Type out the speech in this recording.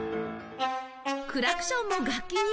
クラクションも楽器に！？